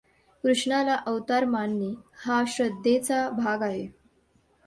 कृष्णाला अवतार मानणे हा श्रद्धेचा भाग आहे.